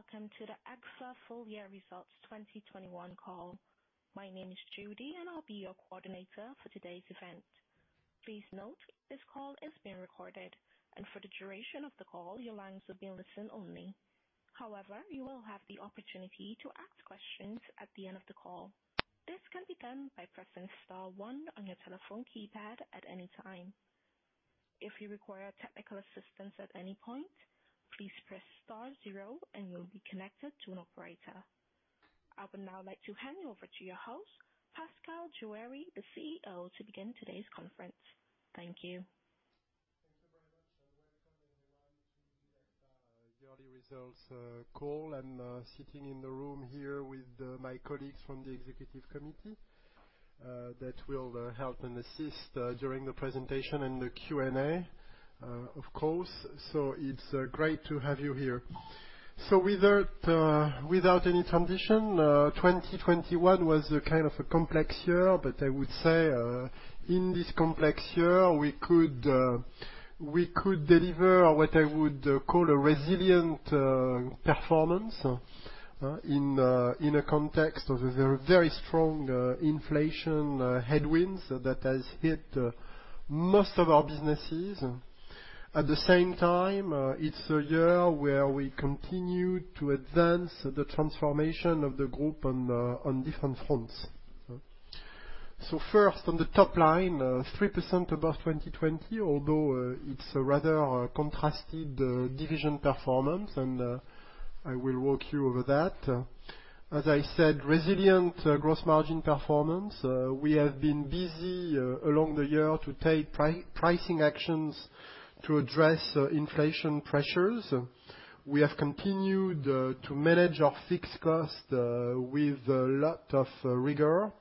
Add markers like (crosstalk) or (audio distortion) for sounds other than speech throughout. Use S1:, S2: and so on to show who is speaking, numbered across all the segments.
S1: Hello and welcome to the Agfa full year results 2021 call. My name is Judy, and I'll be your coordinator for today's event. Please note this call is being recorded. For the duration of the call, your lines will be listen only. However, you will have the opportunity to ask questions at the end of the call. This can be done by pressing star one on your telephone keypad at any time. If you require technical assistance at any point, please press star zero and you'll be connected to an operator. I would now like to hand you over to your host, Pascal Juéry, the CEO, to begin today's conference. Thank you.
S2: (audio distortion) yearly results call. I'm sitting in the room here with my colleagues from the executive committee that will help and assist during the presentation and the Q&A, of course. It's great to have you here. Without any transition, 2021 was a kind of a complex year, but I would say, in this complex year, we could deliver what I would call a resilient performance, in a context of a very, very strong inflation headwinds that has hit most of our businesses. At the same time, it's a year where we continue to advance the transformation of the group on different fronts. First on the top line, 3% above 2020, although it's a rather contrasted division performance, and I will walk you through that. As I said, resilient gross margin performance. We have been busy along the year to take pricing actions to address inflation pressures. We have continued to manage our fixed cost with a lot of rigor.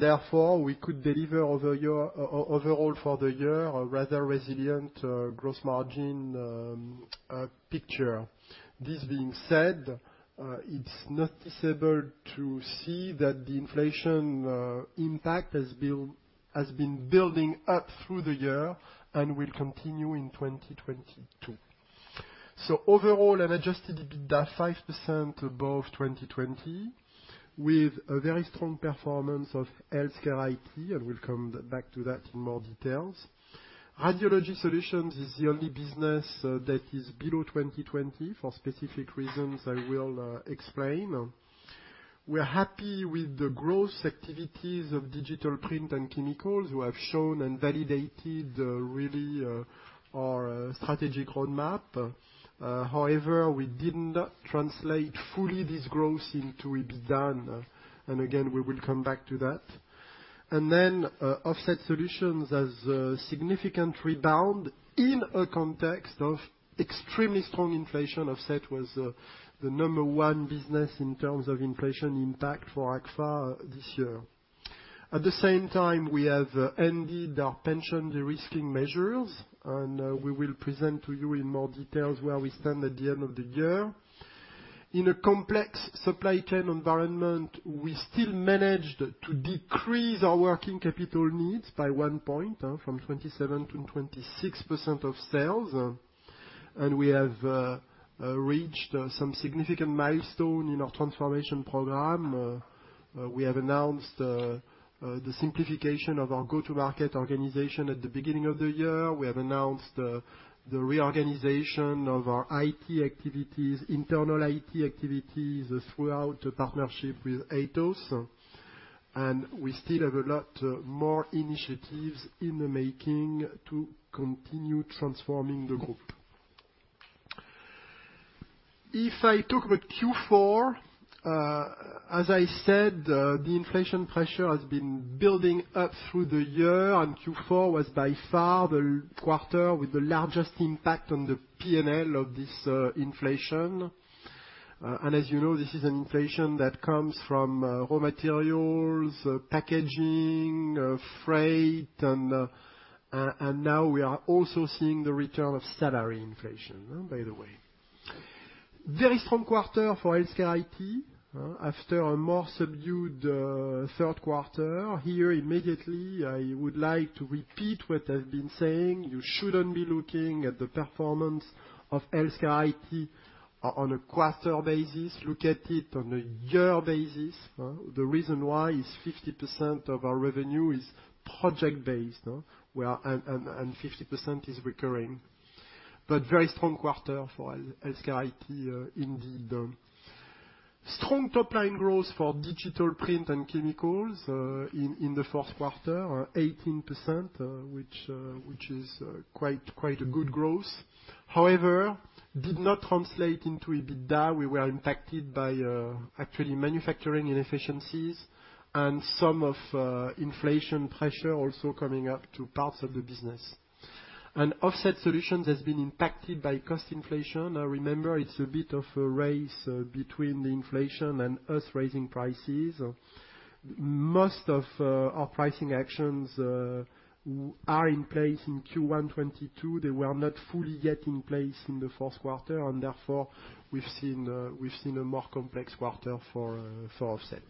S2: Therefore, we could deliver overall for the year a rather resilient gross margin picture. This being said, it's noticeable to see that the inflation impact has been building up through the year and will continue in 2022. Overall an adjusted EBITDA 5% above 2020, with a very strong performance of HealthCare IT, and we'll come back to that in more details. Radiology Solutions is the only business that is below 2020 for specific reasons I will explain. We're happy with the growth activities of Digital Print & Chemicals who have shown and validated really our strategic roadmap. However, we did not translate fully this growth into EBITDA, and again, we will come back to that. Offset Solutions has a significant rebound in a context of extremely strong inflation. Offset was the number one business in terms of inflation impact for Agfa this year. At the same time, we have ended our pension derisking measures, and we will present to you in more details where we stand at the end of the year. In a complex supply chain environment, we still managed to decrease our working capital needs by one point from 27%-26% of sales. We have reached some significant milestone in our transformation program. We have announced the simplification of our go-to-market organization at the beginning of the year. We have announced the reorganization of our IT activities, internal IT activities through the partnership with Atos. We still have a lot more initiatives in the making to continue transforming the group. If I talk about Q4, as I said, the inflation pressure has been building up through the year, and Q4 was by far the quarter with the largest impact on the P&L of this inflation. As you know, this is an inflation that comes from raw materials, packaging, freight, and now we are also seeing the return of salary inflation, by the way. Very strong quarter for HealthCare IT after a more subdued third quarter. Here, immediately, I would like to repeat what I've been saying. You shouldn't be looking at the performance of HealthCare IT on a quarter basis. Look at it on a year basis. The reason why is 50% of our revenue is project-based, and 50% is recurring. Very strong quarter for HealthCare IT indeed. Strong top line growth for Digital Print & Chemicals in the fourth quarter, 18%, which is quite a good growth. However, did not translate into EBITDA. We were impacted by actually manufacturing inefficiencies and some of inflation pressure also coming up to parts of the business. Offset Solutions has been impacted by cost inflation. Remember, it's a bit of a race between the inflation and us raising prices. Most of our pricing actions are in place in Q1 2022. They were not fully yet in place in the fourth quarter and therefore we've seen a more complex quarter for Offset.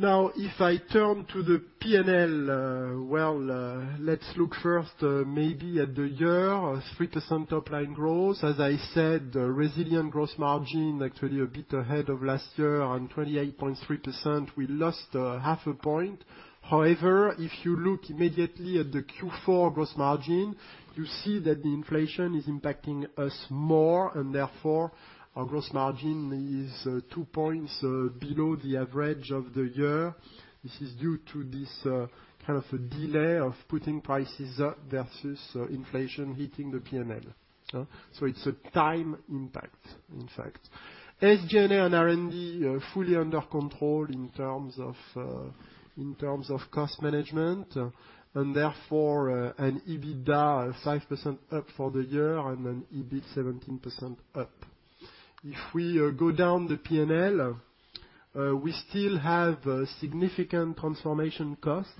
S2: Now, if I turn to the P&L, well, let's look first maybe at the year, 3% top line growth. As I said, resilient gross margin, actually a bit ahead of last year on 28.3%. We lost half a point. However, if you look immediately at the Q4 gross margin, you see that the inflation is impacting us more, and therefore, our gross margin is 2 points below the average of the year. This is due to this kind of a delay of putting prices up versus inflation hitting the P&L. It's a time impact, in fact. SG&A and R&D are fully under control in terms of cost management, and therefore an EBITDA 5% up for the year and an EBIT 17% up. If we go down the P&L, we still have significant transformation costs,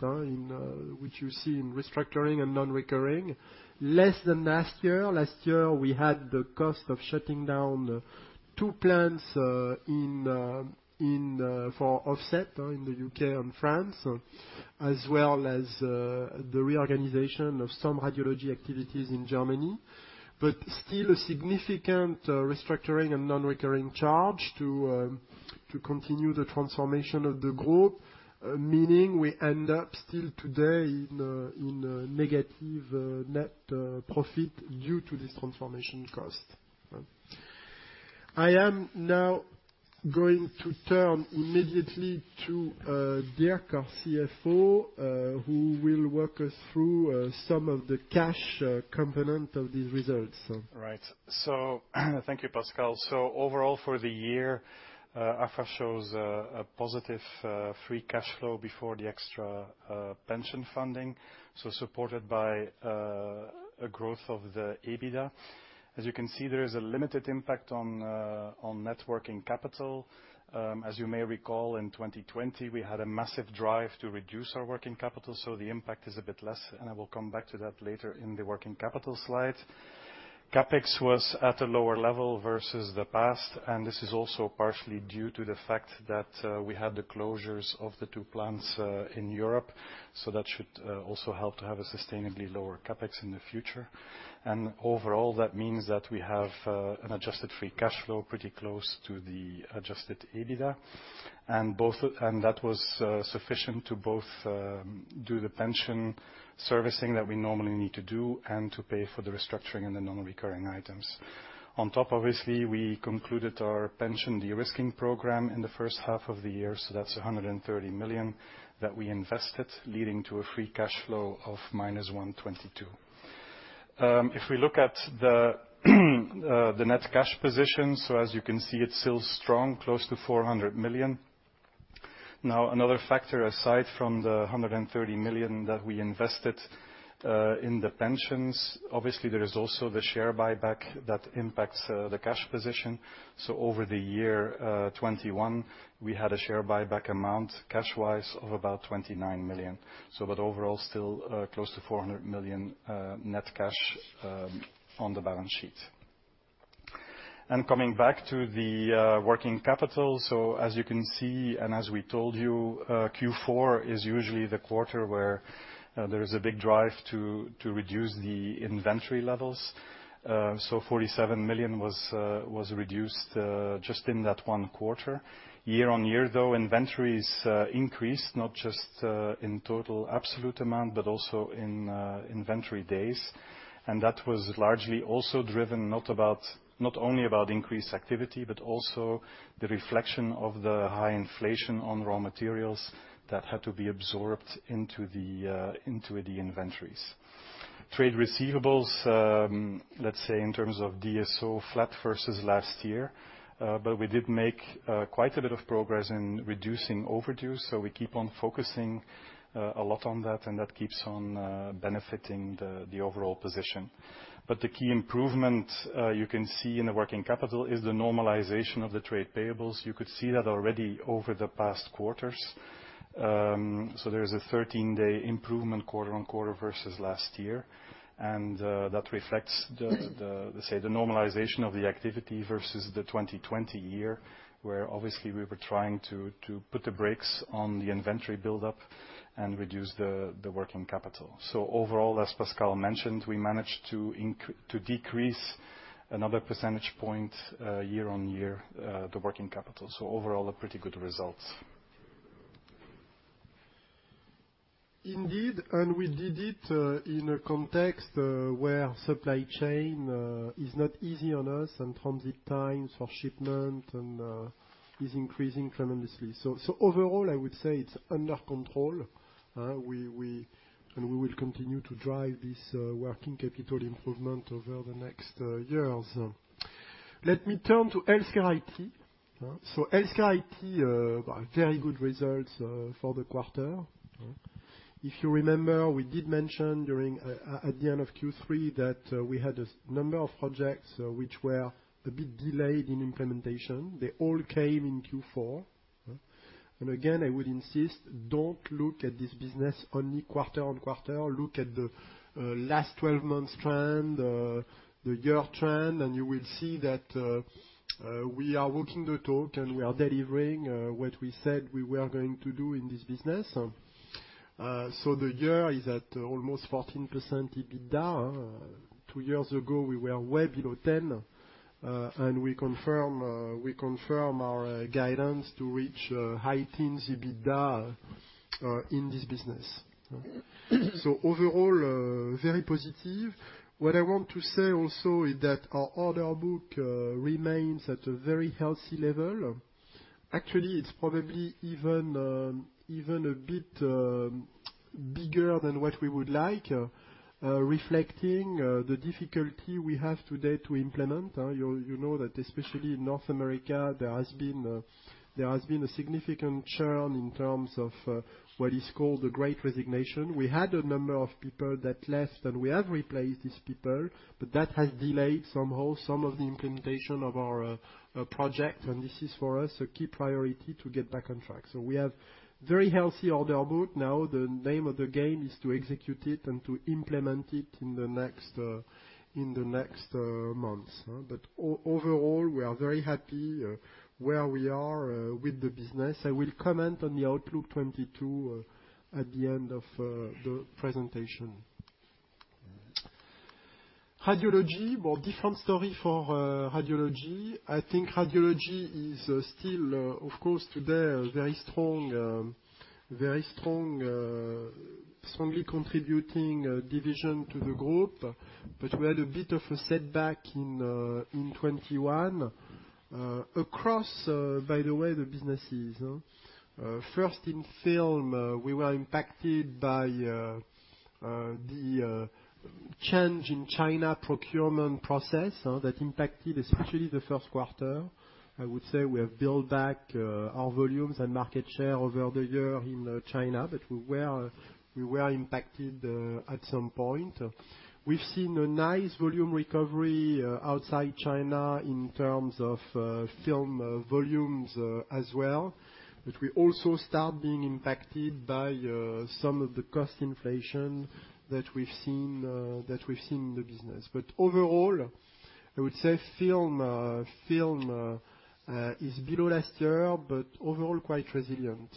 S2: which you see in restructuring and non-recurring. Less than last year. Last year, we had the cost of shutting down two plants in Offset in the U.K. and France, as well as the reorganization of some radiology activities in Germany. Still a significant restructuring and non-recurring charge to continue the transformation of the group, meaning we end up still today in negative net profit due to this transformation cost. I am now going to turn immediately to Dirk, our CFO, who will walk us through some of the cash component of these results.
S3: Right. Thank you, Pascal. Overall for the year, Agfa shows a positive free cash flow before the extra pension funding, supported by a growth of the EBITDA. As you can see, there is a limited impact on net working capital. As you may recall, in 2020, we had a massive drive to reduce our working capital, so the impact is a bit less, and I will come back to that later in the working capital slide. CapEx was at a lower level versus the past, and this is also partially due to the fact that we had the closures of the two plants in Europe, so that should also help to have a sustainably lower CapEx in the future. Overall, that means that we have an adjusted free cash flow pretty close to the adjusted EBITDA. That was sufficient to both do the pension servicing that we normally need to do and to pay for the restructuring and the non-recurring items. On top of this, we concluded our pension de-risking program in the first half of the year, so that's 130 million that we invested, leading to a free cash flow of -122 million. If we look at the net cash position, so as you can see, it's still strong, close to 400 million. Now another factor aside from the 130 million that we invested in the pensions, obviously, there is also the share buyback that impacts the cash position. Over the year 2021, we had a share buyback amount, cash-wise, of about 29 million. Overall, still, close to 400 million net cash on the balance sheet. Coming back to the working capital, as you can see, and as we told you, Q4 is usually the quarter where there is a big drive to reduce the inventory levels. 47 million was reduced just in that one quarter. Year-on-year, though, inventories increased, not just in total absolute amount, but also in inventory days. That was largely also driven not only by increased activity, but also the reflection of the high inflation on raw materials that had to be absorbed into the inventories. Trade receivables, let's say in terms of DSO, flat versus last year, but we did make quite a bit of progress in reducing overdue, so we keep on focusing a lot on that, and that keeps on benefiting the overall position. The key improvement you can see in the working capital is the normalization of the trade payables. You could see that already over the past quarters. There is a 13-day improvement quarter-on-quarter versus last year. That reflects the normalization of the activity versus the 2020 year, where obviously we were trying to put the brakes on the inventory buildup and reduce the working capital. Overall, as Pascal mentioned, we managed to decrease another percentage point year-on-year the working capital. Overall, a pretty good results.
S2: Indeed, we did it in a context where supply chain is not easy on us and transit times for shipment and is increasing tremendously. Overall, I would say it's under control. We will continue to drive this working capital improvement over the next years. Let me turn to HealthCare IT. HealthCare IT very good results for the quarter. If you remember, we did mention during at the end of Q3 that we had a number of projects which were a bit delayed in implementation. They all came in Q4. Again, I would insist, don't look at this business only quarter-over-quarter. Look at the last 12 months trend, the year trend, and you will see that we are walking the talk, and we are delivering what we said we were going to do in this business. The year is at almost 14% EBITDA. Two years ago, we were way below 10, and we confirm our guidance to reach high teens EBITDA in this business. Overall, very positive. What I want to say also is that our order book remains at a very healthy level. Actually, it's probably even a bit bigger than what we would like, reflecting the difficulty we have today to implement. You know that especially in North America, there has been a significant churn in terms of what is called the Great Resignation. We had a number of people that left, and we have replaced these people, but that has delayed somehow some of the implementation of our project, and this is for us a key priority to get back on track. We have very healthy order book. Now, the name of the game is to execute it and to implement it in the next months. Overall, we are very happy where we are with the business. I will comment on the outlook 2022 at the end of the presentation. Radiology. Well, different story for Radiology. I think Radiology is still, of course, today a very strong strongly contributing division to the group. We had a bit of a setback in 2021 across the businesses. First, in film, we were impacted by the change in China procurement process that impacted especially the first quarter. I would say we have built back our volumes and market share over the year in China, but we were impacted at some point. We've seen a nice volume recovery outside China in terms of film volumes as well. We also start being impacted by some of the cost inflation that we've seen in the business. Overall, I would say film is below last year, but overall quite resilient.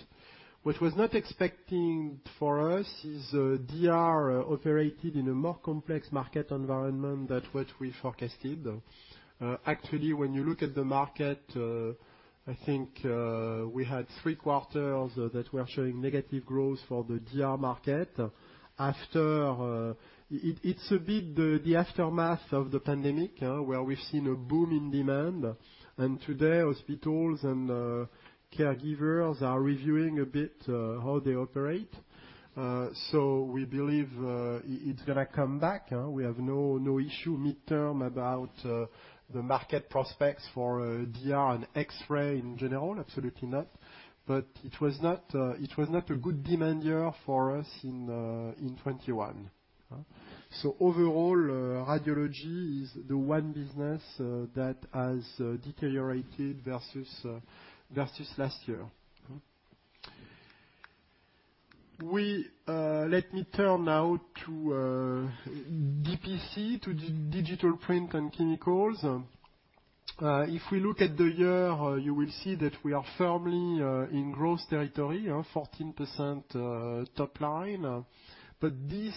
S2: What was not expecting for us is DR operated in a more complex market environment than what we forecasted. Actually, when you look at the market, I think we had three quarters that were showing negative growth for the DR market. It's a bit the aftermath of the pandemic where we've seen a boom in demand. Today, hospitals and caregivers are reviewing a bit how they operate. We believe it's gonna come back. We have no issue midterm about the market prospects for DR and X-ray in general, absolutely not. It was not a good demand year for us in 2021. Overall, Radiology is the one business that has deteriorated versus last year. Let me turn now to DPC, to Digital Print & Chemicals. If we look at the year, you will see that we are firmly in growth territory, 14% top line. This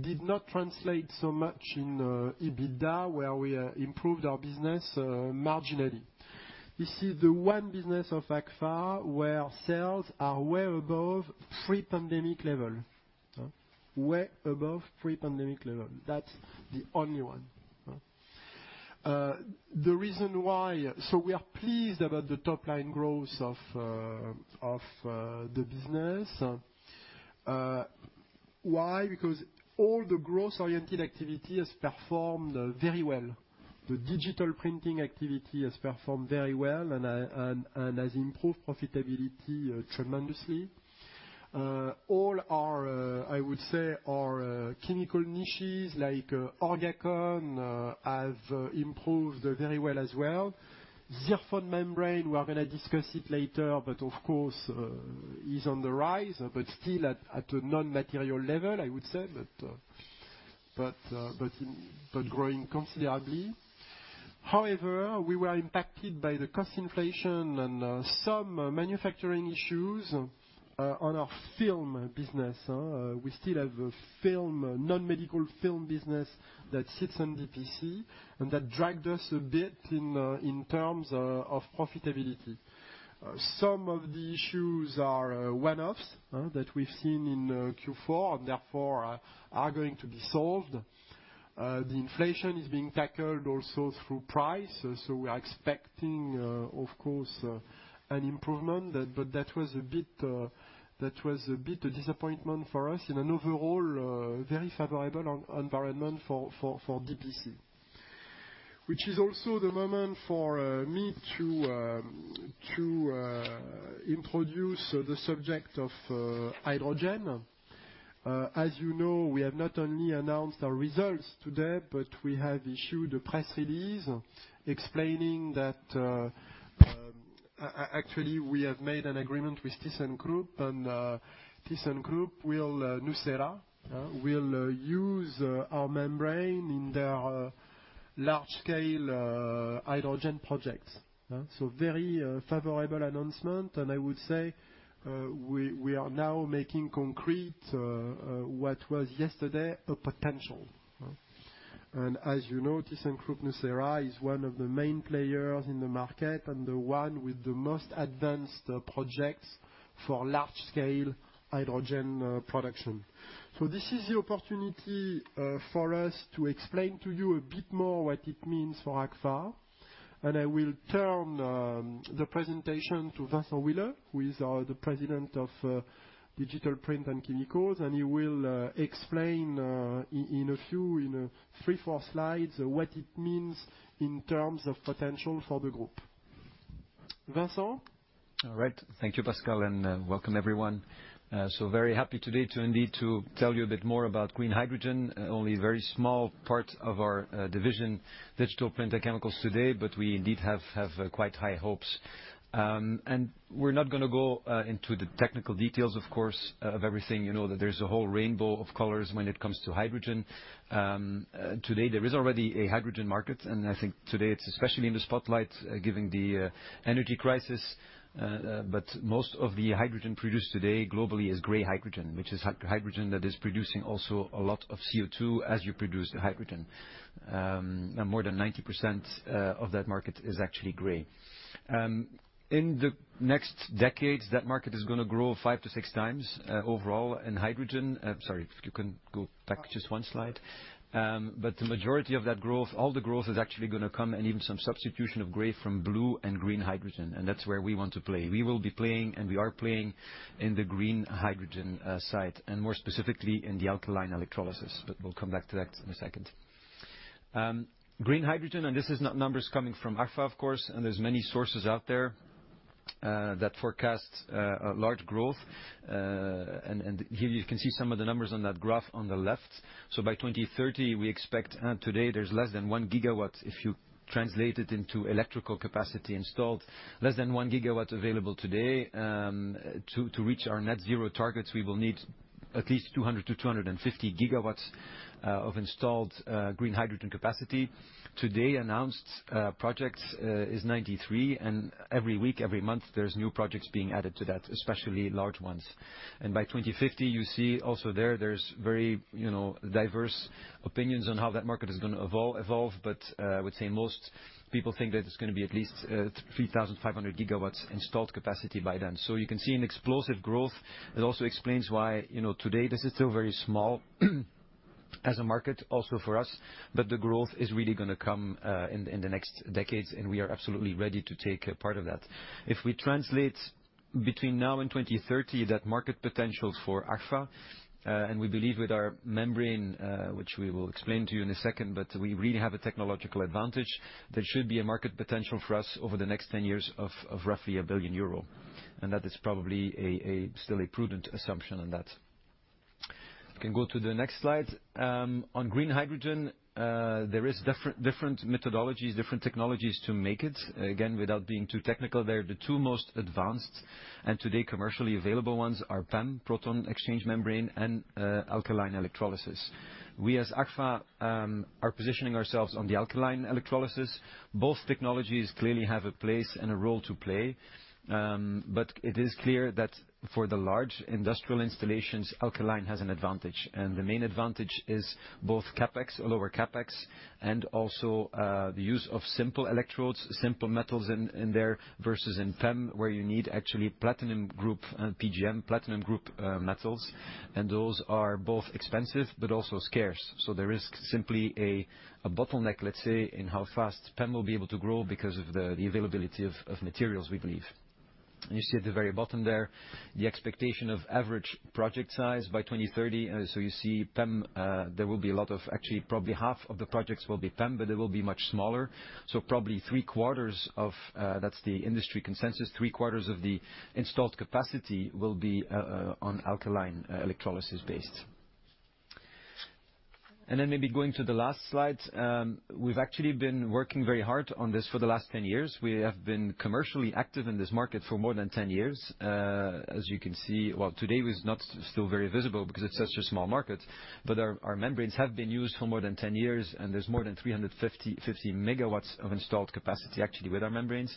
S2: did not translate so much in EBITDA, where we improved our business marginally. This is the one business of Agfa where sales are way above pre-pandemic level. That's the only one. We are pleased about the top-line growth of the business. Why? Because all the growth-oriented activity has performed very well. The digital printing activity has performed very well and has improved profitability tremendously. All our, I would say our, chemical niches like ORGACON, have improved very well as well. ZIRFON membrane, we are gonna discuss it later, but of course, is on the rise, but still at a non-material level, I would say, but growing considerably. However, we were impacted by the cost inflation and, some manufacturing issues, on our film business. We still have a film, non-medical film business that sits on DPC, and that dragged us a bit in, terms, of profitability. Some of the issues are one-offs, that we've seen in Q4, and therefore are going to be solved. The inflation is being tackled also through price, so we are expecting, of course, an improvement. That was a bit a disappointment for us in an overall very favorable environment for DPC. Which is also the moment for me to introduce the subject of hydrogen. As you know, we have not only announced our results today, but we have issued a press release explaining that actually, we have made an agreement with thyssenkrupp, and thyssenkrupp nucera will use our membrane in their large-scale hydrogen projects. Very favorable announcement, and I would say, we are now making concrete what was yesterday a potential. As you know, thyssenkrupp nucera is one of the main players in the market and the one with the most advanced projects for large-scale hydrogen production. This is the opportunity for us to explain to you a bit more what it means for Agfar. I will turn the presentation to Vincent Wille who is the President of Digital Print & Chemicals, and he will explain in three, four slides what it means in terms of potential for the group. Vincent?
S4: All right. Thank you, Pascal, and welcome everyone. Very happy today to indeed tell you a bit more about green hydrogen. Only a very small part of our division, Digital Print & Chemicals today, but we indeed have quite high hopes. We're not gonna go into the technical details, of course, of everything. You know that there's a whole rainbow of colors when it comes to hydrogen. Today, there is already a hydrogen market, and I think today it's especially in the spotlight given the energy crisis. Most of the hydrogen produced today globally is gray hydrogen, which is hydrogen that is producing also a lot of CO2 as you produce the hydrogen. More than 90% of that market is actually gray. In the next decade, that market is gonna grow five to six times overall in hydrogen. Sorry, if you can go back just one slide. The majority of that growth, all the growth is actually gonna come, and even some substitution of gray from blue and green hydrogen, and that's where we want to play. We will be playing, and we are playing in the green hydrogen side, and more specifically in the alkaline electrolysis, but we'll come back to that in a second. Green hydrogen, and this is not numbers coming from Agfa, of course, and there's many sources out there that forecast a large growth. Here you can see some of the numbers on that graph on the left. By 2030 we expect... Today there's less than 1 GW if you translate it into electrical capacity installed, less than 1 GW available today. To reach our net zero targets, we will need at least 200 GW-250 GW of installed green hydrogen capacity. Announced projects today is 93 GW, and every week, every month, there's new projects being added to that, especially large ones. By 2050, you see also there's very, you know, diverse opinions on how that market is gonna evolve. I would say most people think that it's gonna be at least 3,500 GW installed capacity by then. You can see an explosive growth. It also explains why, you know, today this is still very small as a market also for us, but the growth is really gonna come in the next decades, and we are absolutely ready to take a part of that. If we translate between now and 2030 that market potential for Agfa, and we believe with our membrane, which we will explain to you in a second, but we really have a technological advantage. There should be a market potential for us over the next 10 years of roughly 1 billion euro, and that is probably still a prudent assumption on that. You can go to the next slide. On green hydrogen, there is different methodologies, different technologies to make it. Again, without being too technical, they're the two most advanced, and today commercially available ones are PEM, proton exchange membrane, and alkaline electrolysis. We, as Agfa, are positioning ourselves on the alkaline electrolysis. Both technologies clearly have a place and a role to play. It is clear that for the large industrial installations, alkaline has an advantage. The main advantage is both CapEx, lower CapEx, and also the use of simple electrodes, simple metals in there versus in PEM, where you need actually PGM, platinum group metals, and those are both expensive but also scarce. There is simply a bottleneck, let's say, in how fast PEM will be able to grow because of the availability of materials, we believe. You see at the very bottom there the expectation of average project size by 2030. You see PEM. Actually, probably half of the projects will be PEM, but they will be much smaller. Probably three-quarters of the installed capacity will be on alkaline electrolysis based. That's the industry consensus. Maybe going to the last slide. We've actually been working very hard on this for the last 10 years. We have been commercially active in this market for more than 10 years. As you can see, today we're still not very visible because it's such a small market, but our membranes have been used for more than 10 years, and there's more than 350 MW of installed capacity actually with our membranes.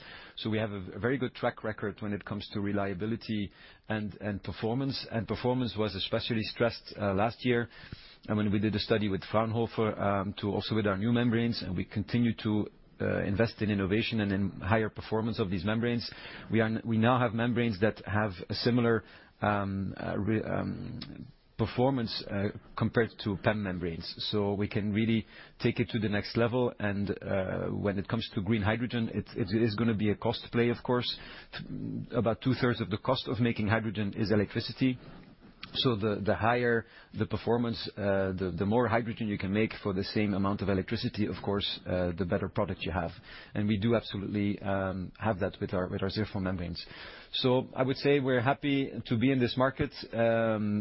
S4: We have a very good track record when it comes to reliability and performance. Performance was especially stressed last year, and when we did a study with Fraunhofer with our new membranes, and we continue to invest in innovation and in higher performance of these membranes. We now have membranes that have a similar performance compared to PEM membranes. We can really take it to the next level and when it comes to green hydrogen, it is gonna be a cost play, of course. About two-thirds of the cost of making hydrogen is electricity, so the higher the performance, the more hydrogen you can make for the same amount of electricity, of course, the better product you have. We do absolutely have that with our ZIRFON membranes. I would say we're happy to be in this market.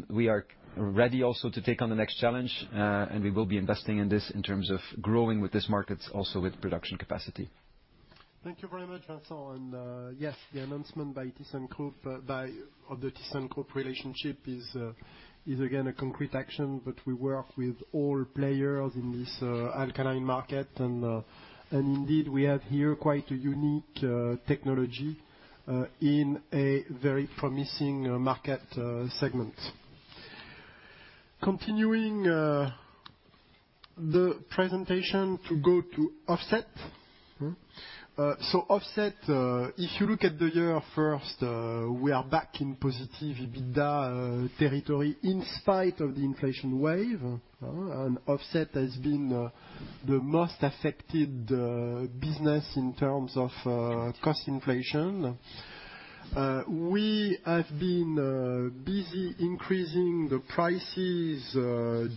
S4: We are ready also to take on the next challenge, and we will be investing in this in terms of growing with this market also with production capacity.
S2: Thank you very much, Vincent. Yes, the announcement by thyssenkrupp of the thyssenkrupp relationship is again a concrete action, but we work with all players in this alkaline market. Indeed we have here quite a unique technology in a very promising market segment. Continuing the presentation to go to Offset. Offset, if you look at the year first, we are back in positive EBITDA territory in spite of the inflation wave, and Offset has been the most affected business in terms of cost inflation. We have been busy increasing the prices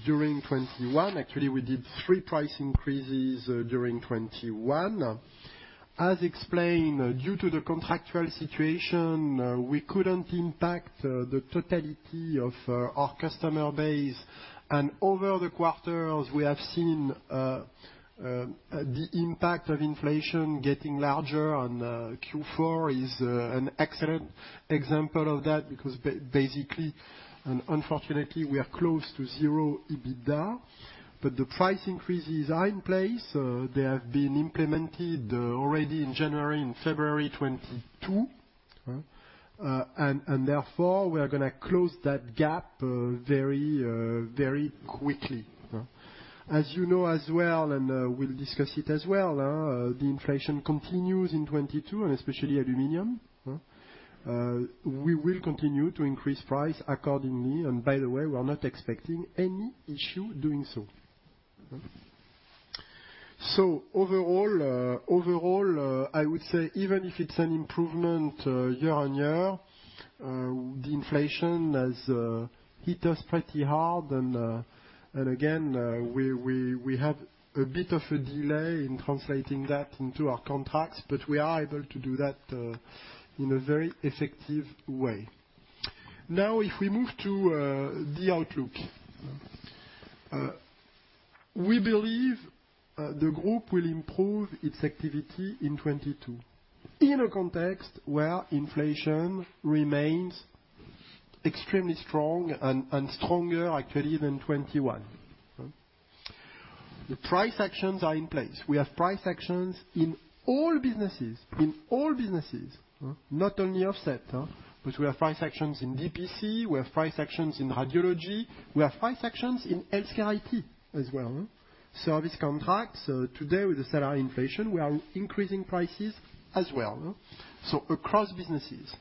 S2: during 2021. Actually, we did three price increases during 2021. As explained, due to the contractual situation, we couldn't impact the totality of our customer base. Over the quarters, we have seen the impact of inflation getting larger, and Q4 is an excellent example of that because basically, and unfortunately, we are close to zero EBITDA. The price increases are in place. They have been implemented already in January and February 2022, and therefore, we are gonna close that gap very very quickly. As you know as well, and we'll discuss it as well, the inflation continues in 2022, and especially aluminum. We will continue to increase price accordingly, and by the way, we are not expecting any issue doing so. Overall, I would say even if it's an improvement year on year, the inflation has hit us pretty hard and again, we have a bit of a delay in translating that into our contracts, but we are able to do that in a very effective way. Now, if we move to the outlook. We believe the group will improve its activity in 2022 in a context where inflation remains extremely strong and stronger actually than 2021. The price actions are in place. We have price actions in all businesses, not only Offset, but we have price actions in DPC, we have price actions in Radiology, we have price actions in HealthCare IT as well. Service contracts today with the salary inflation, we are increasing prices as well, so across businesses.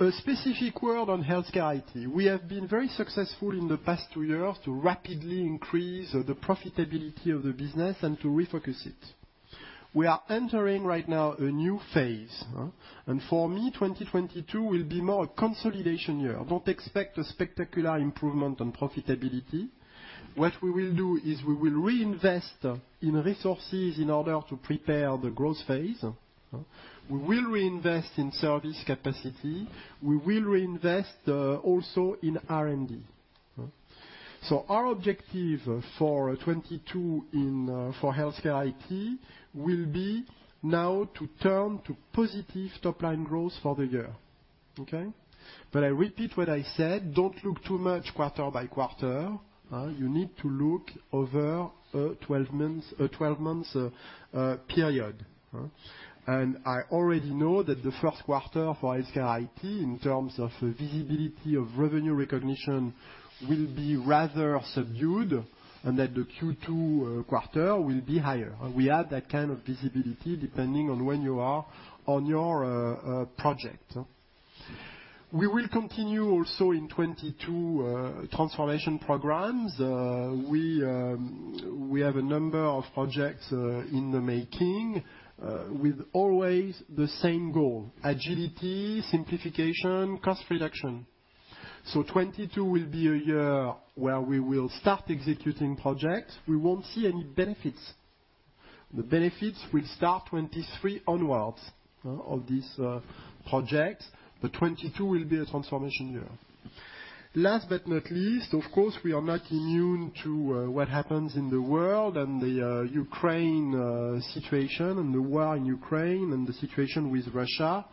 S2: A specific word on HealthCare IT. We have been very successful in the past two years to rapidly increase the profitability of the business and to refocus it. We are entering right now a new phase, and for me, 2022 will be more a consolidation year. Don't expect a spectacular improvement on profitability. What we will do is we will reinvest in resources in order to prepare the growth phase. We will reinvest in service capacity. We will reinvest also in R&D. Our objective for 2022 in for HealthCare IT will be now to turn to positive top-line growth for the year. Okay. I repeat what I said, don't look too much quarter by quarter, you need to look over a 12-month period. I already know that the first quarter for HealthCare IT, in terms of visibility of revenue recognition, will be rather subdued, and that the Q2 quarter will be higher. We have that kind of visibility depending on where you are on your project. We will continue also in 2022 transformation programs. We have a number of projects in the making with always the same goal, agility, simplification, cost reduction. 2022 will be a year where we will start executing projects. We won't see any benefits. The benefits will start 2023 onwards of these projects, but 2022 will be a transformation year. Last but not least, of course, we are not immune to what happens in the world and the Ukraine situation and the war in Ukraine and the situation with Russia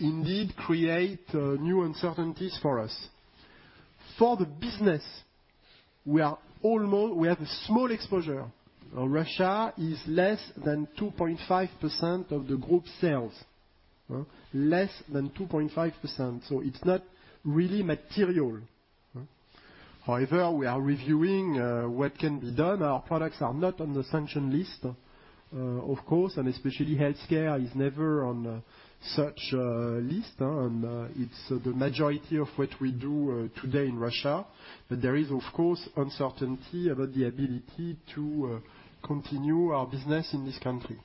S2: indeed create new uncertainties for us. For the business, we have a small exposure. Russia is less than 2.5% of the group sales. Less than 2.5%, so it's not really material. However, we are reviewing what can be done. Our products are not on the sanction list, of course, and especially healthcare is never on such a list, and it's the majority of what we do today in Russia. But there is, of course, uncertainty about the ability to continue our business in this country.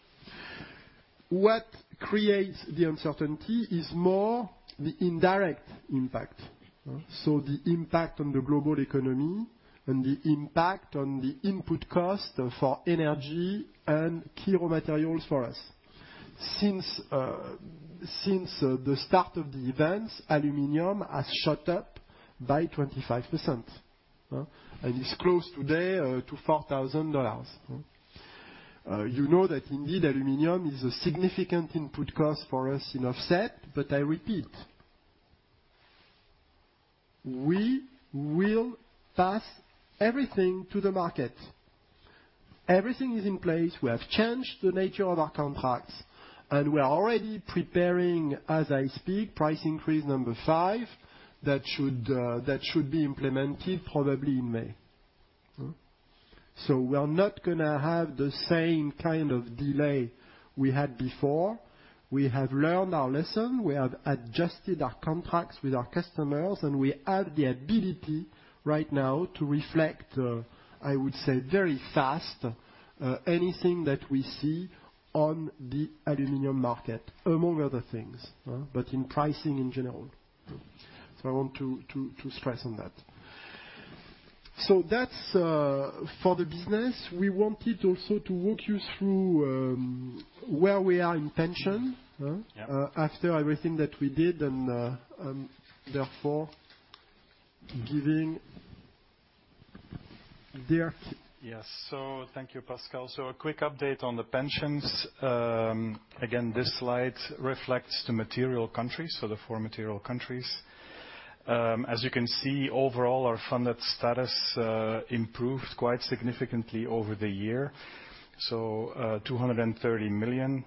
S2: What creates the uncertainty is more the indirect impact. The impact on the global economy and the impact on the input cost for energy and key raw materials for us. Since the start of the events, aluminum has shot up by 25%. It's close today to $4,000. You know that indeed, aluminum is a significant input cost for us in Offset, but I repeat. We will pass everything to the market. Everything is in place. We have changed the nature of our contracts, and we are already preparing, as I speak, price increase number five, that should be implemented probably in May. We are not gonna have the same kind of delay we had before. We have learned our lesson. We have adjusted our contracts with our customers, and we have the ability right now to reflect, I would say, very fast, anything that we see on the aluminum market, among other things, but in pricing in general. I want to stress on that. That's for the business. We wanted also to walk you through, where we are in pension-
S3: Yeah.
S2: -after everything that we did and, therefore giving Dirk.
S3: Yes. Thank you, Pascal. A quick update on the pensions. Again, this slide reflects the material countries, so the four material countries. As you can see, overall, our funded status improved quite significantly over the year, 230 million.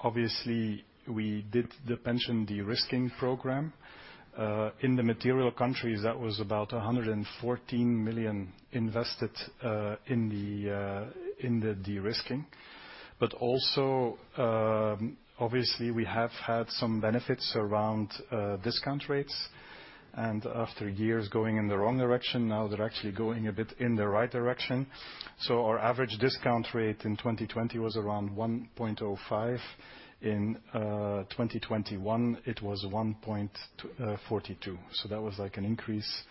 S3: Obviously, we did the pension de-risking program. In the material countries, that was about 114 million invested in the de-risking. But also, obviously, we have had some benefits around discount rates. After years going in the wrong direction, now they're actually going a bit in the right direction. Our average discount rate in 2020 was around 1.05%. In 2021, it was 1.42%. That was, like, an increase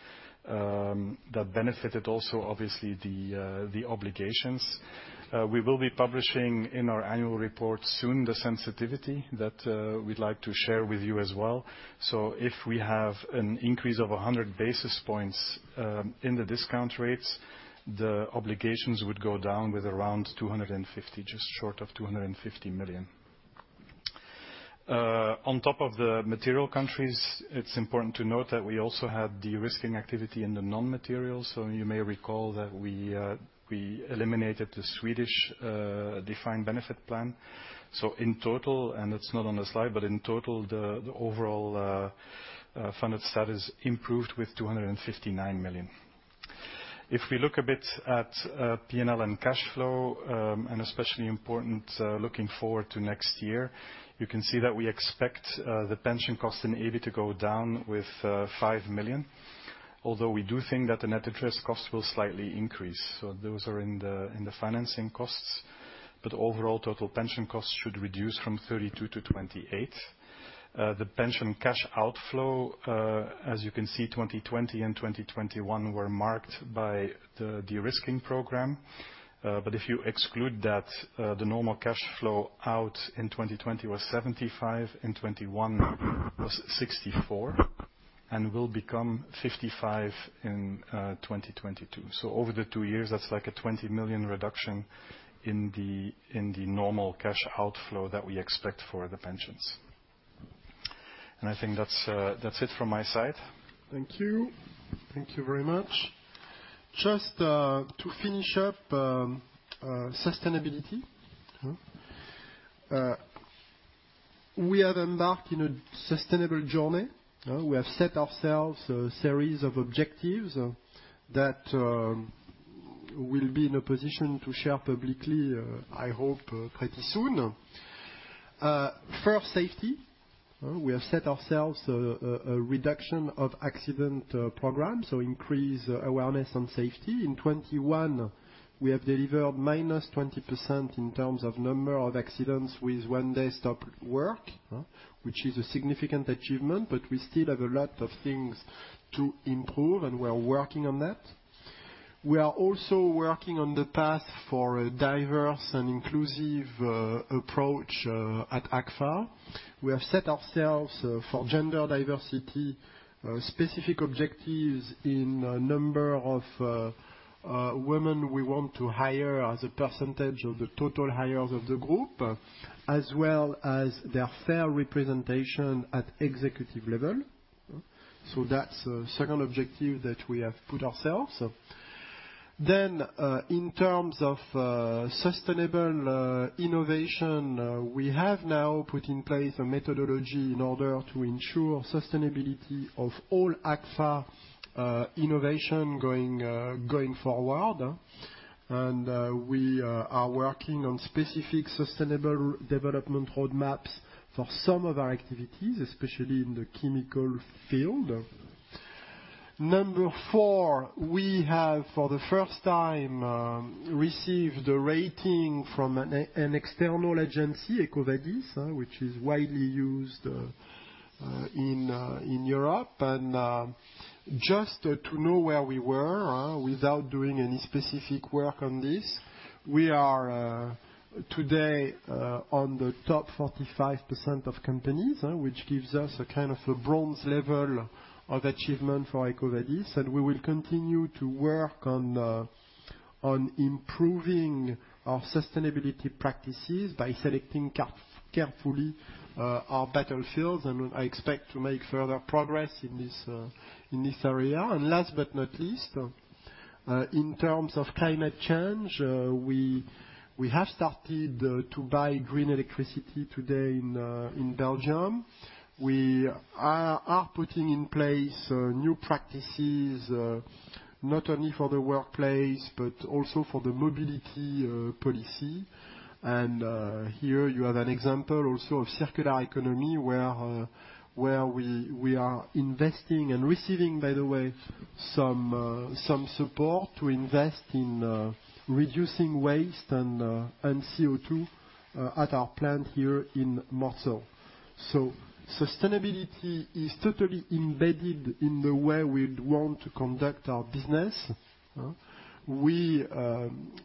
S3: that benefited also, obviously, the obligations. We will be publishing in our annual report soon the sensitivity that we'd like to share with you as well. If we have an increase of 100 basis points in the discount rates, the obligations would go down with around 250 million, just short of 250 million. On top of the material countries, it's important to note that we also had de-risking activity in the non-materials. You may recall that we eliminated the Swedish defined benefit plan. In total, and it's not on the slide, but in total, the overall funded status improved with 259 million. If we look a bit at P&L and cash flow, and especially important, looking forward to next year, you can see that we expect the pension cost in EBIT to go down with 5 million, although we do think that the net interest cost will slightly increase. Those are in the financing costs. Overall, total pension costs should reduce from 32 million to 28 million. The pension cash outflow, as you can see, 2020 and 2021 were marked by the de-risking program. But if you exclude that, the normal cash flow out in 2020 was 75 million, in 2021 was 64 million, and will become 55 million in 2022. Over the two years, that's like a 20 million reduction in the normal cash outflow that we expect for the pensions. I think that's it from my side.
S2: Thank you. Thank you very much. Just to finish up, sustainability. We have embarked in a sustainable journey. We have set ourselves a series of objectives that we'll be in a position to share publicly, I hope pretty soon. First, safety. We have set ourselves a reduction of accident program, so increase awareness on safety. In 2021, we have delivered -20% in terms of number of accidents with one day stop work. Which is a significant achievement, but we still have a lot of things to improve, and we are working on that. We are also working on the path for a diverse and inclusive approach at Agfa. We have set ourselves for gender diversity specific objectives in number of women we want to hire as a percentage of the total hires of the group, as well as their fair representation at executive level. That's a second objective that we have put ourselves. In terms of sustainable innovation, we have now put in place a methodology in order to ensure sustainability of all Agfa innovation going forward. We are working on specific sustainable development roadmaps for some of our activities, especially in the chemical field. Number four, we have, for the first time, received a rating from an external agency, EcoVadis, which is widely used in Europe. Just to know where we were, without doing any specific work on this, we are today on the top 45% of companies, which gives us a kind of a bronze level of achievement for EcoVadis. We will continue to work on improving our sustainability practices by selecting carefully our battlefields, and I expect to make further progress in this area. Last but not least, in terms of climate change, we have started to buy green electricity today in Belgium. We are putting in place new practices, not only for the workplace, but also for the mobility policy. Here you have an example also of circular economy where we are investing and receiving, by the way, some support to invest in reducing waste and CO2 at our plant here in Mortsel. Sustainability is totally embedded in the way we want to conduct our business. We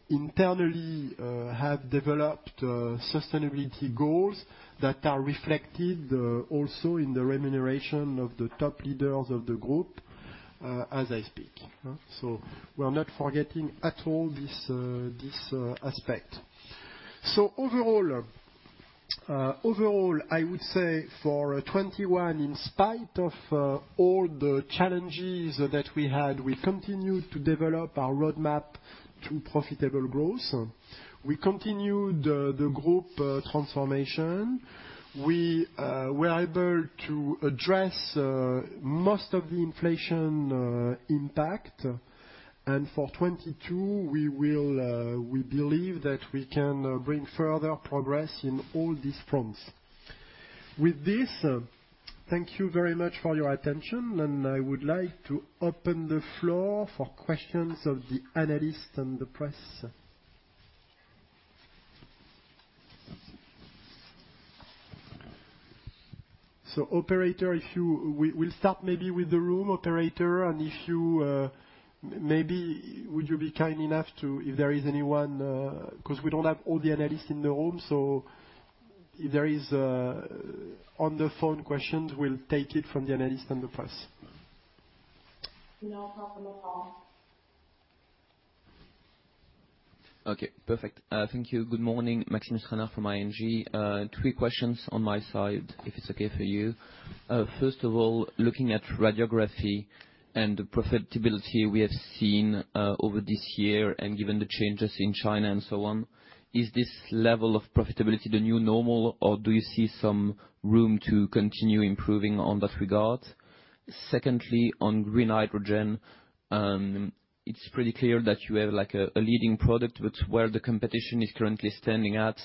S2: internally have developed sustainability goals that are reflected also in the remuneration of the top leaders of the group as I speak. We're not forgetting at all this aspect. Overall, I would say for 2021, in spite of all the challenges that we had, we continued to develop our roadmap to profitable growth. We continued the group transformation. We were able to address most of the inflation impact. For 2022, we will, we believe that we can bring further progress in all these fronts. With this, thank you very much for your attention, and I would like to open the floor for questions of the analysts and the press. Operator, if you... We'll start maybe with the room, Operator, and if you, maybe would you be kind enough to, if there is anyone, 'cause we don't have all the analysts in the room, so if there is, on the phone questions, we'll take it from the analyst and the press.
S1: No calls on the phone.
S5: Okay, perfect. Thank you. Good morning, Maxime Stranart from ING. Three questions on my side, if it's okay for you. First of all, looking at Radiology and the profitability we have seen over this year and given the changes in China and so on, is this level of profitability the new normal, or do you see some room to continue improving on that regard? Secondly, on green hydrogen, it's pretty clear that you have, like, a leading product, but where the competition is currently standing at,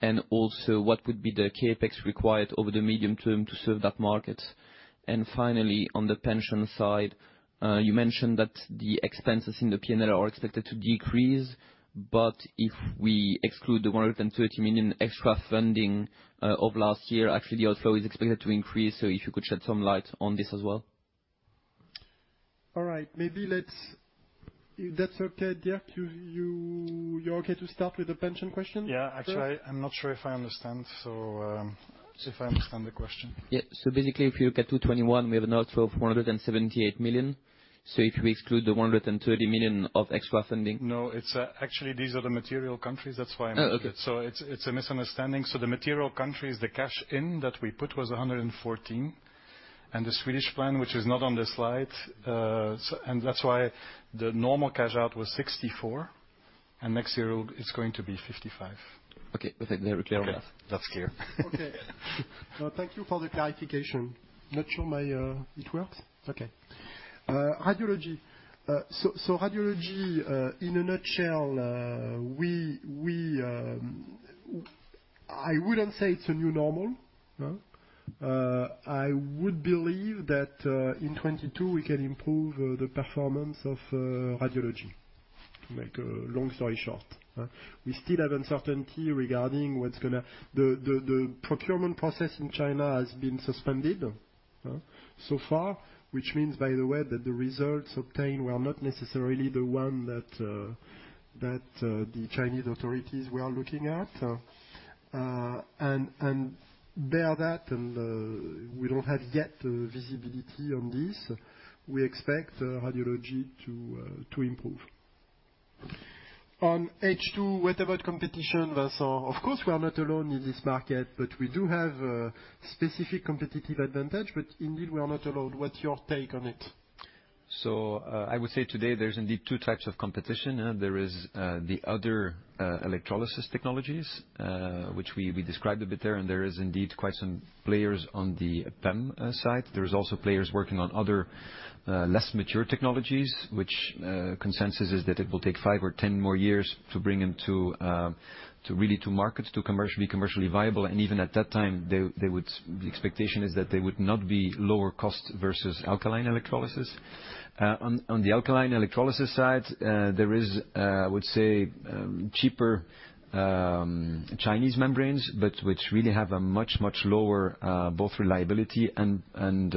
S5: and also what would be the CapEx required over the medium term to serve that market? Finally, on the pension side, you mentioned that the expenses in the P&L are expected to decrease, but if we exclude the 130 million extra funding of last year, actually the outflow is expected to increase, so if you could shed some light on this as well.
S2: All right. If that's okay, Dirk, you're okay to start with the pension question?
S3: Yeah. Actually, I'm not sure if I understand, so, if I understand the question.
S5: Yeah. Basically, if you look at 2021, we have an outflow of 178 million. If we exclude the 130 million of extra funding.
S3: No, it's actually these are the material countries. That's why I mentioned it.
S5: Oh, okay.
S3: It's a misunderstanding. The material countries, the cash in that we put was 114 million. The Swedish plan, which is not on the slide, and that's why the normal cash out was 64 million, and next year it's going to be 55 million.
S5: Okay. Perfect. Very clear enough.
S3: Okay.
S5: That's clear.
S2: No, thank you for the clarification. Not sure my... It works? Okay. Radiology. So Radiology in a nutshell, I wouldn't say it's a new normal. I would believe that in 2022, we can improve the performance of Radiology. To make a long story short. We still have uncertainty regarding what's gonna. The procurement process in China has been suspended so far, which means, by the way, that the results obtained were not necessarily the one that the Chinese authorities were looking at. And bear that, we don't have yet visibility on this. We expect Radiology to improve. On H2, what about competition versus... Of course, we are not alone in this market, but we do have a specific competitive advantage, but indeed we are not alone. What's your take on it?
S4: I would say today there's indeed two types of competition. There is the other electrolysis technologies which we described a bit there, and there is indeed quite some players on the PEM side. There's also players working on other less mature technologies, which consensus is that it will take five or 10 more years to bring to market to be commercially viable. Even at that time, the expectation is that they would not be lower cost versus alkaline electrolysis. On the alkaline electrolysis side, there is I would say cheaper Chinese membranes, but which really have a much lower both reliability and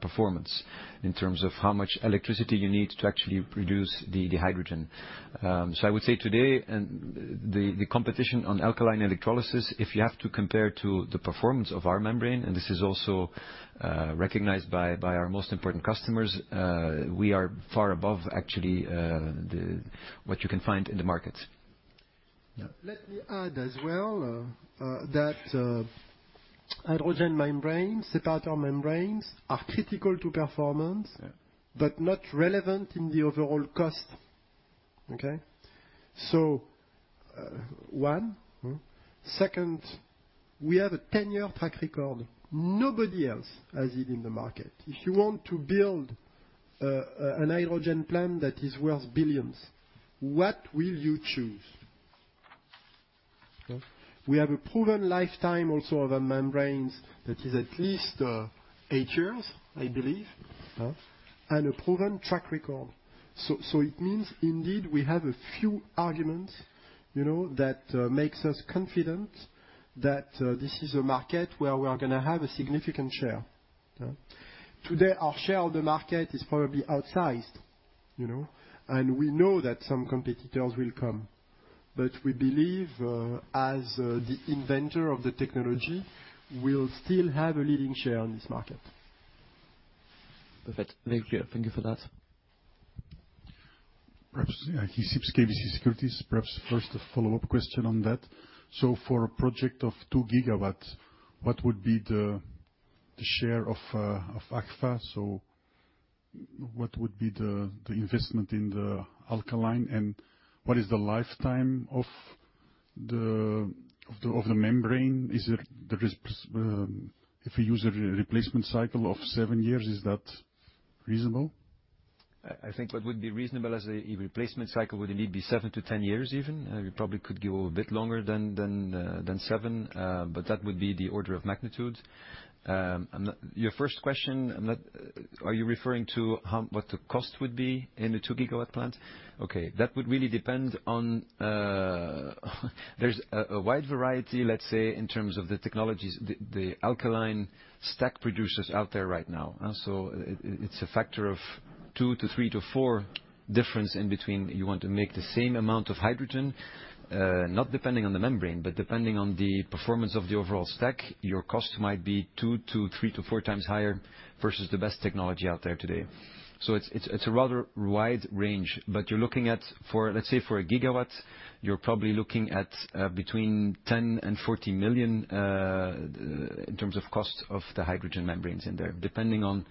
S4: performance in terms of how much electricity you need to actually produce the hydrogen. I would say today, and the competition on alkaline electrolysis, if you have to compare to the performance of our membrane, and this is also recognized by our most important customers, we are far above actually what you can find in the market.
S2: Let me add as well that hydrogen membranes, separator membranes are critical to performance-
S4: Yeah.
S2: -but not relevant in the overall cost. Okay? One. Second, we have a 10-year track record. Nobody else has it in the market. If you want to build a hydrogen plant that is worth billions, what will you choose?
S4: Yeah.
S2: We have a proven lifetime also of our membranes that is at least eight years, I believe.
S4: Yeah.
S2: A proven track record. So it means indeed we have a few arguments, you know, that makes us confident that this is a market where we are gonna have a significant share.
S4: Yeah.
S2: Today, our share of the market is probably outsized, you know, and we know that some competitors will come. We believe as the inventor of the technology, we'll still have a leading share on this market.
S5: Perfect. Very clear. Thank you for that.
S6: Perhaps, Guy Sips, KBC Securities, perhaps first a follow-up question on that. For a project of 2 GW, what would be the share of Agfa? What would be the investment in the alkaline, and what is the lifetime of the membrane? If you use a replacement cycle of seven years, is that reasonable?
S4: I think what would be reasonable as a replacement cycle would indeed be seven to 10 years even. We probably could go a bit longer than seven, but that would be the order of magnitude. Your first question, are you referring to what the cost would be in a 2 GW plant? Okay. That would really depend on. There's a wide variety, let's say, in terms of the technologies the alkaline stack producers out there right now. It's a factor of two to three to four difference in between you want to make the same amount of hydrogen, not depending on the membrane, but depending on the performance of the overall stack, your cost might be two to three to four times higher versus the best technology out there today. It's a rather wide range, but you're looking at, let's say, for a gigawatt, you're probably looking at between 10 million and 40 million in terms of cost of the hydrogen membranes in there, depending on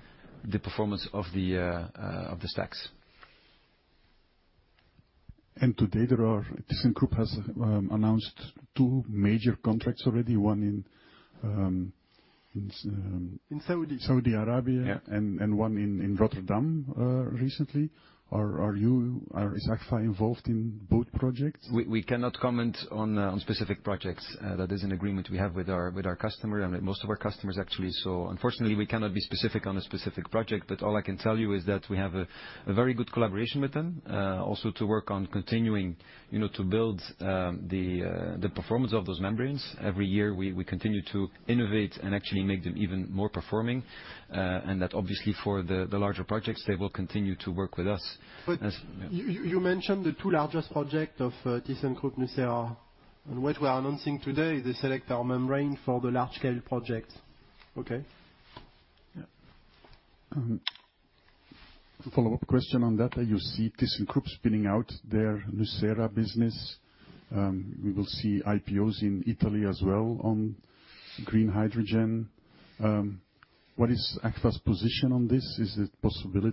S4: the performance of the stacks.
S6: To date, thyssenkrupp has announced two major contracts already, one in, it's-
S2: In Saudi.
S6: Saudi Arabia.
S2: Yeah.
S6: One in Rotterdam recently. Is Agfa involved in both projects?
S4: We cannot comment on specific projects. That is an agreement we have with our customer and most of our customers actually. Unfortunately, we cannot be specific on a specific project, but all I can tell you is that we have a very good collaboration with them, also to work on continuing to build the performance of those membranes. Every year, we continue to innovate and actually make them even more performing, and that obviously for the larger projects, they will continue to work with us as-
S2: You mentioned the two largest project of thyssenkrupp nucera. What we are announcing today, they select our membrane for the large-scale project.
S6: Okay.
S4: Yeah.
S6: Follow-up question on that. You see thyssenkrupp spinning out their nucera business. We will see IPOs in Italy as well on green hydrogen. What is Agfa's position on this?
S2: The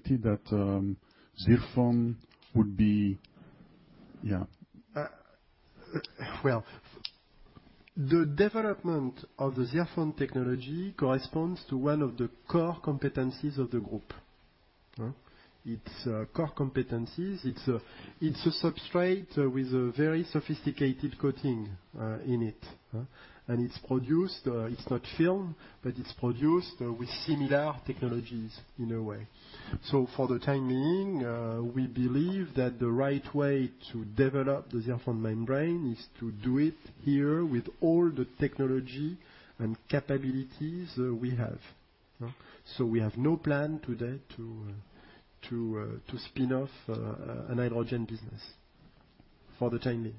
S2: development of the ZIRFON technology corresponds to one of the core competencies of the group. It's a substrate with a very sophisticated coating in it. It's not film, but it's produced with similar technologies in a way. For the time being, we believe that the right way to develop the ZIRFON membrane is to do it here with all the technology and capabilities we have. We have no plan today to spin off a hydrogen business for the time being.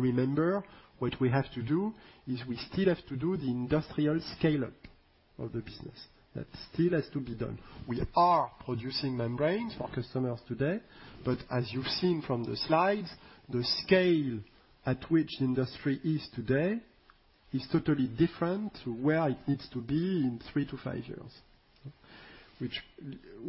S2: Remember, what we have to do is we still have to do the industrial scale-up of the business. That still has to be done. We are producing membranes for customers today, but as you've seen from the slides, the scale at which the industry is today is totally different to where it needs to be in three to five years.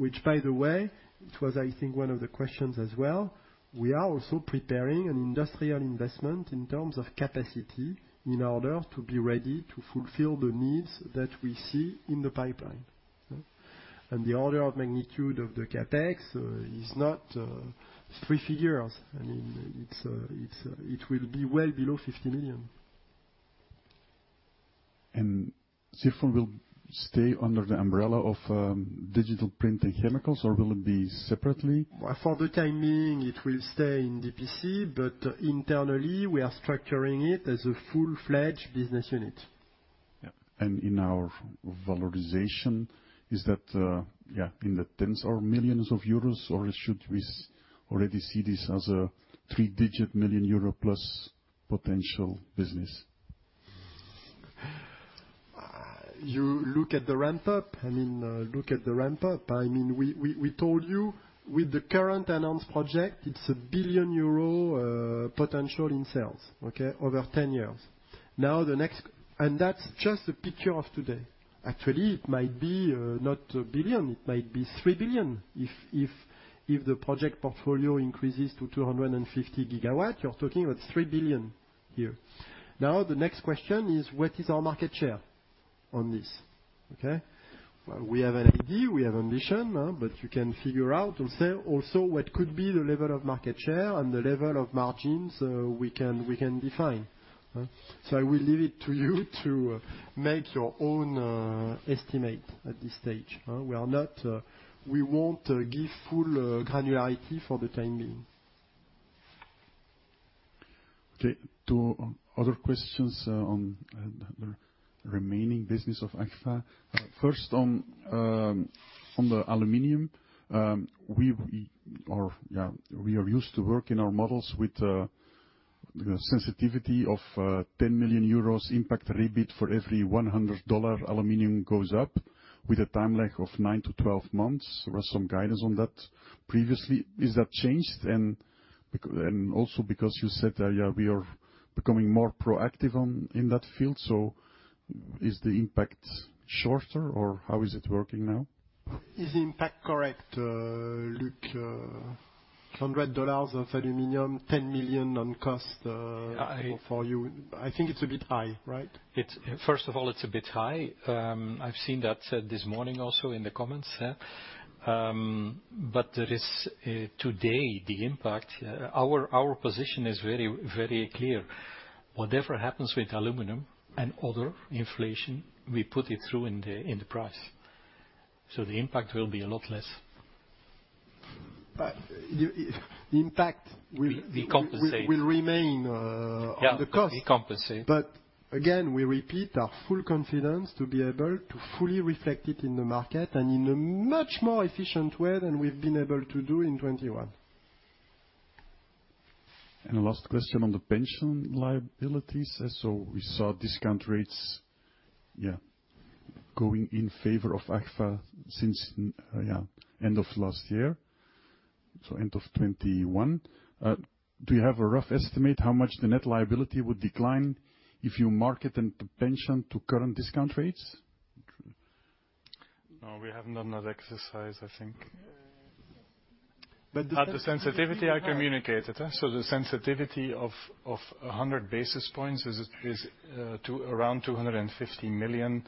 S2: Which, by the way, it was, I think, one of the questions as well. We are also preparing an industrial investment in terms of capacity in order to be ready to fulfill the needs that we see in the pipeline. The order of magnitude of the CapEx is not three figures. I mean, it will be well below 50 million.
S6: ZIRFON will stay under the umbrella of Digital Print & Chemicals, or will it be separately?
S2: For the time being, it will stay in DPC, but internally, we are structuring it as a full-fledged business unit.
S6: In our valuation, is that in the tens of millions of euros, or should we already see this as a three-digit million euro plus potential business?
S2: You look at the ramp up, I mean, look at the ramp up. I mean, we told you with the current announced project, it's 1 billion euro potential in sales, okay? Over 10 years. That's just a picture of today. Actually, it might be not 1 billion, it might be 3 billion if the project portfolio increases to 250 GW, you're talking about 3 billion here. Now, the next question is what is our market share on this? Okay? We have an idea, we have ambition, but you can figure out also what could be the level of market share and the level of margins, we can define. I will leave it to you to make your own estimate at this stage. We are not, we won't give full granularity for the time being.
S6: Okay. Two other questions on the remaining business of Agfa. First on the aluminum. We are used to work in our models with sensitivity of 10 million euros impact EBIT for every $100 aluminum goes up with a time lag of nine to 12 months. There was some guidance on that previously. Is that changed? And also because you said that, yeah, we are becoming more proactive on in that field. Is the impact shorter or how is it working now?
S2: Is the impact correct, Dirk? $100 of aluminum, $10 million on cost, for you. I think it's a bit high, right?
S3: First of all, it's a bit high. I've seen that this morning also in the comments there. There is today the impact. Our position is very clear. Whatever happens with aluminum and other inflation, we put it through in the price. The impact will be a lot less.
S2: The impact will-
S3: We compensate.
S2: Will remain on the cost.
S3: Yeah, we compensate.
S2: We repeat our full confidence to be able to fully reflect it in the market and in a much more efficient way than we've been able to do in 2021.
S6: Last question on the pension liabilities. We saw discount rates going in favor of Agfa since end of last year. End of 2021. Do you have a rough estimate how much the net liability would decline if you market the pension to current discount rates?
S3: No, we have not done that exercise, I think.
S2: But the-
S3: At the sensitivity I communicated. The sensitivity of 100 basis points is around 250 million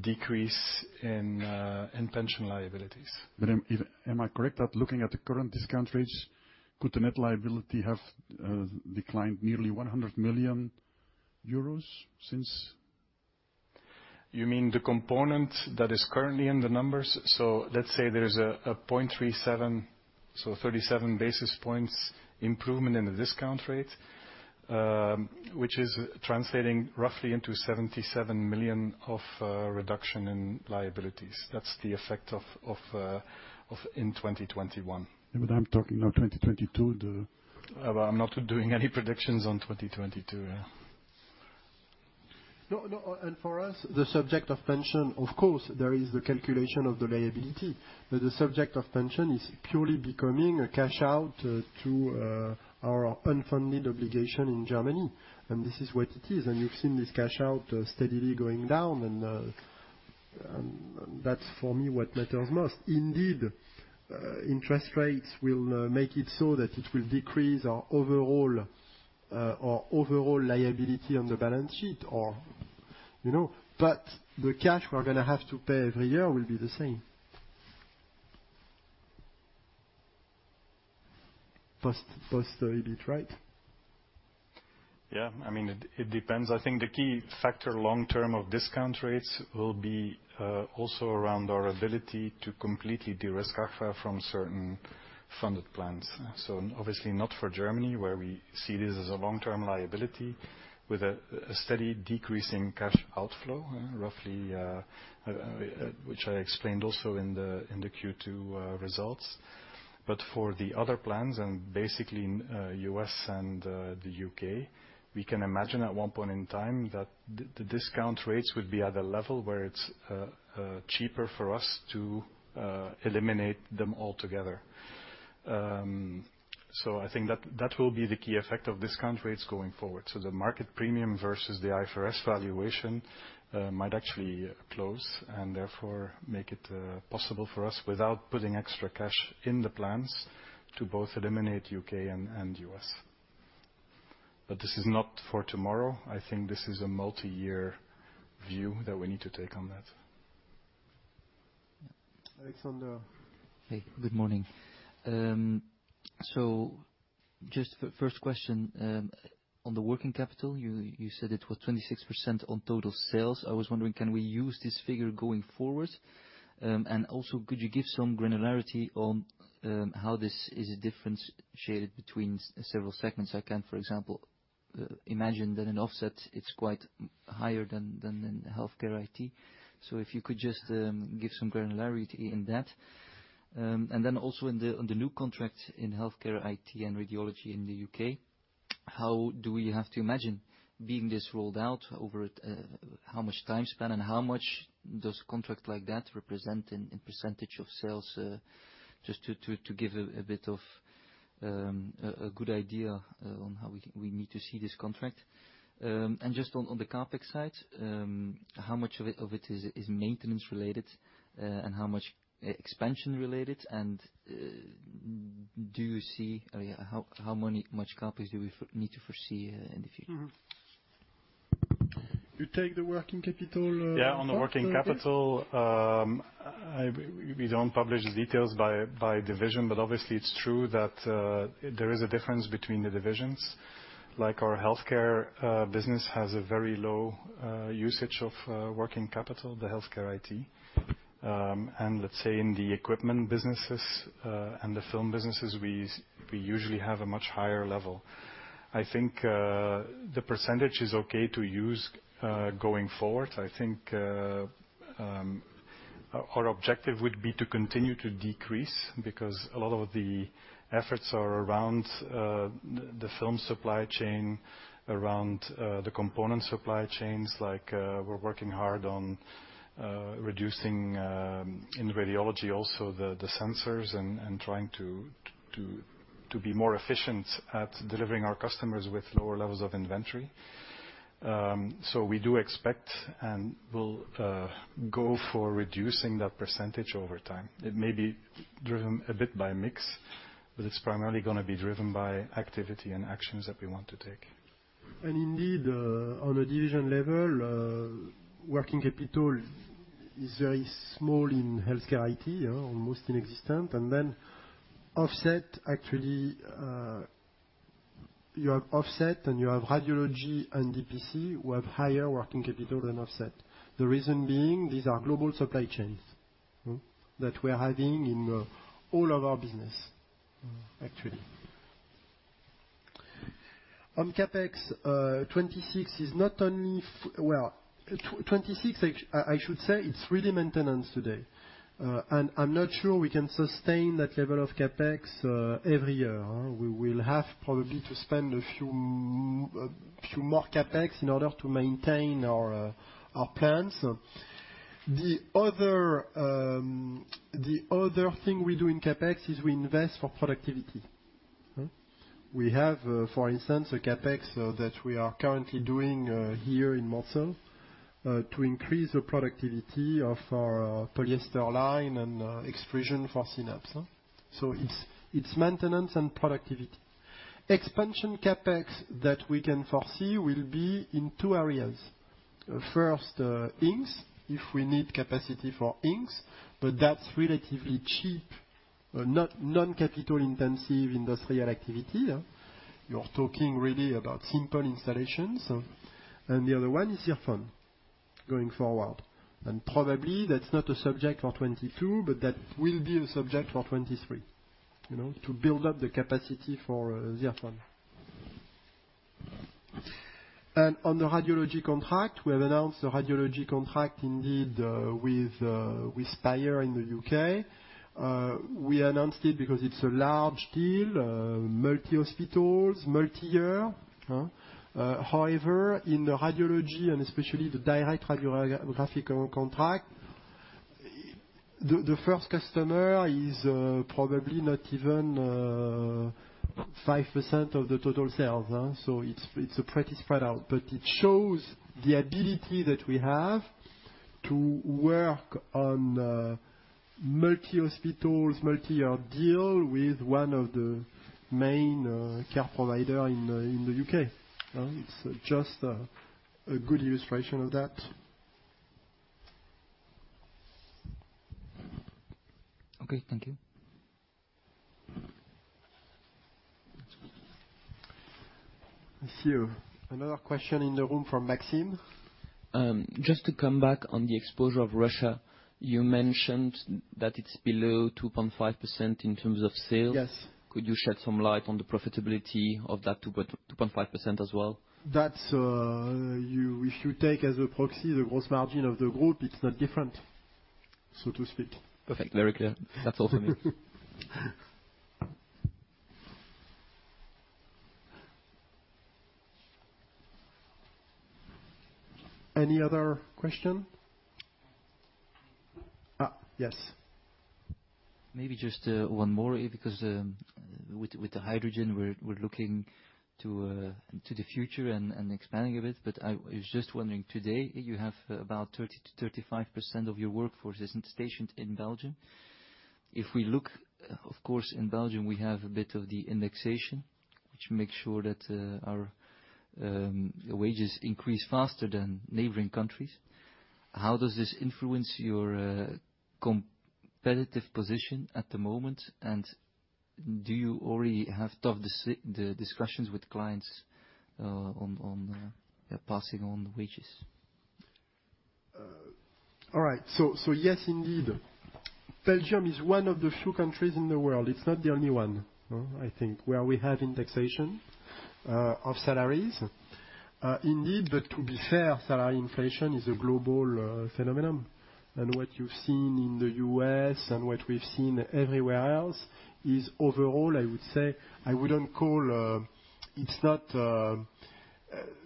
S3: decrease in pension liabilities.
S6: Am I correct that looking at the current discount rates, could the net liability have declined nearly 100 million euros since?
S3: You mean the component that is currently in the numbers? Let's say there is a 0.37%, so 37 basis points improvement in the discount rate, which is translating roughly into 77 million of reduction in liabilities. That's the effect of in 2021.
S6: I'm talking now 2022.
S3: Well, I'm not doing any predictions on 2022, yeah.
S2: No, no. For us, the subject of pension, of course, there is the calculation of the liability, but the subject of pension is purely becoming a cash out to our unfunded obligation in Germany. This is what it is. You've seen this cash out steadily going down. That's for me, what matters most. Indeed, interest rates will make it so that it will decrease our overall liability on the balance sheet, you know. The cash we're gonna have to pay every year will be the same. Post the EBIT, right?
S3: Yeah. I mean, it depends. I think the key factor long term of discount rates will be also around our ability to completely de-risk Agfa from certain funded plans. Obviously not for Germany, where we see this as a long-term liability with a steady decrease in cash outflow, roughly, which I explained also in the Q2 results. For the other plans, and basically in U.S. and the U.K., we can imagine at one point in time that the discount rates would be at a level where it's cheaper for us to eliminate them altogether. I think that will be the key effect of discount rates going forward. The market premium versus the IFRS valuation might actually close and therefore make it possible for us, without putting extra cash in the plans, to both eliminate U.K. and U.S. This is not for tomorrow. I think this is a multi-year view that we need to take on that.
S2: Alexander.
S7: Hey, good morning. Just the first question, on the working capital, you said it was 26% on total sales. I was wondering, can we use this figure going forward? Also could you give some granularity on how this is differentiated between several segments? I can, for example, imagine that in Offset it's quite higher than in HealthCare IT. If you could just give some granularity in that. Then also on the new contracts in HealthCare IT and Radiology in the U.K. How do we have to imagine this being rolled out over how much time span and how much does a contract like that represent in percentage of sales? Just to give a bit of a good idea on how we need to see this contract. Just on the CapEx side, how much of it is maintenance related, and how much expansion related? Do you see, I mean, how much CapEx do we need to foresee in the future?
S2: Mm-hmm. You take the working capital, part, okay?
S3: Yeah. On the working capital, we don't publish the details by division. Obviously it's true that there is a difference between the divisions. Like our HealthCare business has a very low usage of working capital, the HealthCare IT. Let's say in the equipment businesses and the film businesses, we usually have a much higher level. I think the percentage is okay to use going forward. I think our objective would be to continue to decrease because a lot of the efforts are around the film supply chain, around the component supply chains. Like, we're working hard on reducing in Radiology also the sensors and trying to be more efficient at delivering our customers with lower levels of inventory. We do expect and will go for reducing that percentage over time. It may be driven a bit by mix, but it's primarily gonna be driven by activity and actions that we want to take.
S2: Indeed, on a division level, working capital is very small in HealthCare IT, you know, almost inexistent. Then Offset, actually, you have Offset and you have Radiology and DPC who have higher working capital than Offset. The reason being, these are global supply chains that we're having in all of our business, actually. On CapEx, 26 million, I should say it's really maintenance today. I'm not sure we can sustain that level of CapEx every year. We will have probably to spend a few more CapEx in order to maintain our plans. The other thing we do in CapEx is we invest for productivity. We have, for instance, a CapEx that we are currently doing here in Mortsel to increase the productivity of our polyester line and extrusion for SYNAPS. It's maintenance and productivity. Expansion CapEx that we can foresee will be in two areas. First, inks, if we need capacity for inks, but that's relatively cheap, non-capital intensive industrial activity. You're talking really about simple installations. The other one is ZIRFON going forward. Probably that's not a subject for 2022, but that will be a subject for 2023, you know, to build up the capacity for ZIRFON. On the Radiology contract, we have announced a Radiology contract indeed with Spire in the U.K. We announced it because it's a large deal, multi hospitals, multi-year. However, in the Radiology and especially the direct radiographic contract, the first customer is probably not even 5% of the total sales. It's a pretty spread out, but it shows the ability that we have to work on multi hospitals, multi-year deal with one of the main care provider in the U.K. It's just a good illustration of that.
S7: Okay. Thank you.
S2: I see another question in the room from Maxime.
S5: Just to come back on the exposure of Russia, you mentioned that it's below 2.5% in terms of sales.
S2: Yes.
S5: Could you shed some light on the profitability of that 2.2%-2.5% as well?
S2: That's if you take as a proxy the gross margin of the group. It's not different, so to speak.
S5: Perfect. Very clear. That's all for me.
S2: Any other question? Yes.
S7: Maybe just one more, because with the hydrogen, we're looking to the future and expanding a bit. I was just wondering, today you have about 30%-35% of your workforce isn't stationed in Belgium. If we look of course in Belgium we have a bit of the indexation, which makes sure that our wages increase faster than neighboring countries. How does this influence your competitive position at the moment? And do you already have tough discussions with clients on passing on the wages?
S2: All right. Yes, indeed. Belgium is one of the few countries in the world, it's not the only one, I think, where we have indexation of salaries. Indeed, but to be fair, salary inflation is a global phenomenon, and what you've seen in the U.S. and what we've seen everywhere else is overall, I would say, I wouldn't call, it's not.